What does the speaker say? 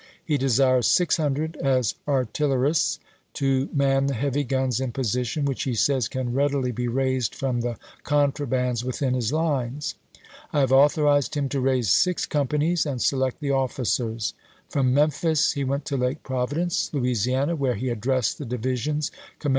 He desires six hundred as artillerists, to man the hea\^ guns in position, which he says can readily be raised from the con trabands within his lines. I have authorized him Thomas to Stanton, to raise six companies and select the omcers." Apriu.isea. From Memphis he went to Lake Providence, Lou isiana, where he addressed the divisions com 460 ABRAHAM LINCOLN Chap. XX.